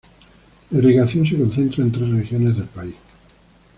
La irrigación se concentra en tres regiones del país.